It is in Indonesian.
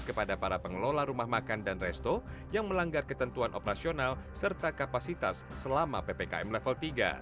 kepada para pengelola rumah makan dan resto yang melanggar ketentuan operasional serta kapasitas selama ppkm level tiga